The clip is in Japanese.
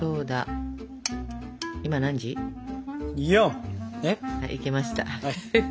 はいいけました。